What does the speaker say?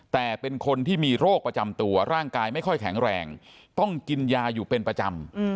แต่เป็นคนที่มีโรคประจำตัวร่างกายไม่ค่อยแข็งแรงต้องกินยาอยู่เป็นประจำ